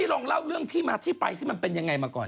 ลองเล่าเรื่องที่มาที่ไปสิมันเป็นยังไงมาก่อน